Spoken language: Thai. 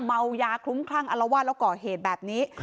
เมายาคลุ้มคลั่งอลวาดแล้วก่อเหตุแบบนี้